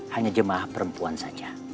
hanya jemaah perempuan saja